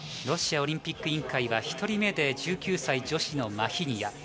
ロシアオリンピック委員会は１人目で１９歳女子のマヒニア。